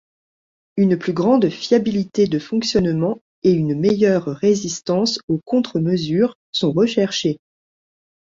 Une plus grande fiabilité de fonctionnement et une meilleure résistance aux contre-mesures sont recherchées.